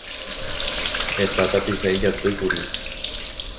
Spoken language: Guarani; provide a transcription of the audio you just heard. Heta tapicha ijatýkuri